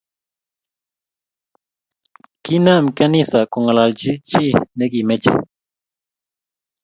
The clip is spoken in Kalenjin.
Kinem kanisa kongalachi chi ne kimeche